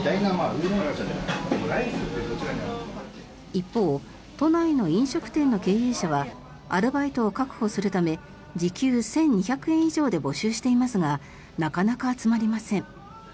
一方、都内の飲食店の経営者はアルバイトを確保するため時給１２００円以上で募集していますがなかなか集まりません。